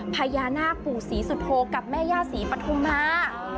พญานาคปู่ศรีสุโธกับแม่ย่าศรีปฐุมา